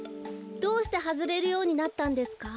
どうしてはずれるようになったんですか？